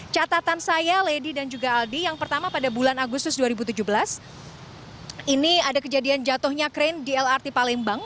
catatan saya lady dan juga aldi yang pertama pada bulan agustus dua ribu tujuh belas ini ada kejadian jatuhnya krain di lrt palembang